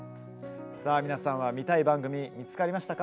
皆さん見たい番組は見つかりましたか？